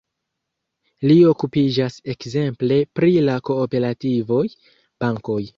Li okupiĝas ekzemple pri la kooperativoj, bankoj.